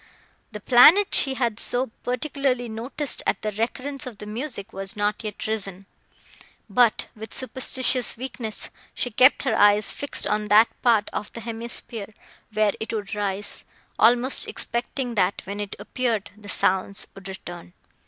The planet she had so particularly noticed, at the recurrence of the music, was not yet risen; but, with superstitious weakness, she kept her eyes fixed on that part of the hemisphere, where it would rise, almost expecting, that, when it appeared, the sounds would return.